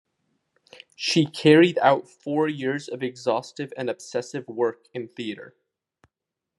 She carried out four years of exhaustive and obsessive work in theatre.